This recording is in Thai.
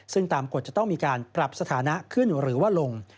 ซึ่งตามกฎจะต้องมีการปรับสถานะขึ้นหรือว่าลง